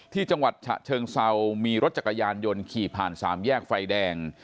ที่จังหวัดฉะเชิงเซามีรถจักรยานยนต์ขี่ผ่านสามแยกไฟแดง